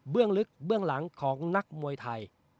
ลึกเบื้องหลังของนักมวยไทย